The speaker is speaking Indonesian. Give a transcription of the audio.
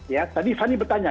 ya tadi fani bertanya